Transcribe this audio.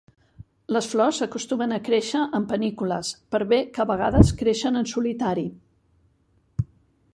Les flors acostumen a créixer en panícules, per bé que a vegades creixen en solitari.